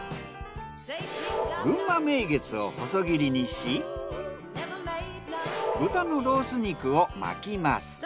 ぐんま名月を細切りにし豚のロース肉を巻きます。